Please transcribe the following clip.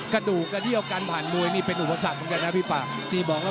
กระดูกกระเที่ยวกันผ่านมวยนี่เป็นอุปสรรคเหมือนกันนะพี่ปากที่บอกว่า